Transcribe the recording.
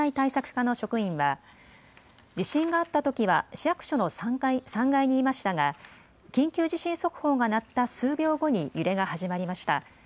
課の職員は地震があったときは市役所の３階にいましたが緊急地震速報が鳴った数秒後に揺れが始まりました。